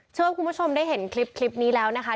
เชื่อว่าคุณผู้ชมได้เห็นคลิปนี้แล้วนะคะ